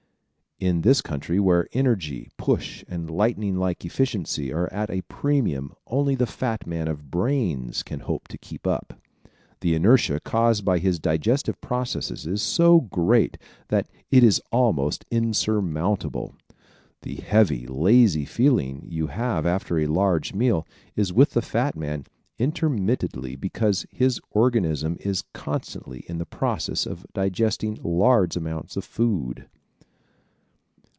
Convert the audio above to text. In this country where energy, push and lightning like efficiency are at a premium only the fat man of brains can hope to keep up. The inertia caused by his digestive processes is so great that it is almost insurmountable. The heavy, lazy feeling you have after a large meal is with the fat man interminably because his organism is constantly in the process of digesting large amounts of food.